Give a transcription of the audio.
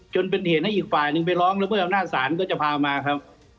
จนเป็นเหตุให้อีกฝ่ายนึงไปล้องเหมือนเอาหน้าสารก็จะพามาครับ